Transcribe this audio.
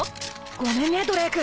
ごめんねドレーク。